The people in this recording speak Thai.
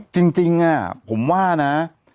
จริงผมว่านะ